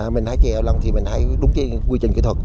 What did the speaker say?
mình hái trà ô long thì mình hái đúng cái quy trình kỹ thuật